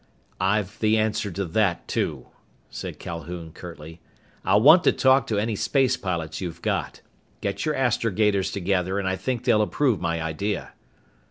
"I've the answer to that, too," said Calhoun curtly. "I'll want to talk to any space pilots you've got. Get your astrogators together and I think they'll approve my idea."